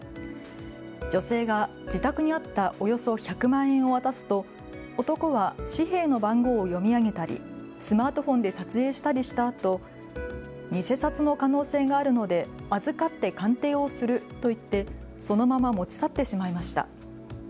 女性が自宅にあったおよそ１００万円を渡すと男は紙幣の番号を読み上げたりスマートフォンで撮影したりしたあと偽札の可能性があるので預かって鑑定をすると言ってそのまま持ち去ってしまいました。